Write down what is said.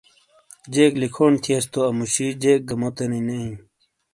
جیک لکھونڈ تھئیس تو اموشی جیک گہ موتےنی نے ایں۔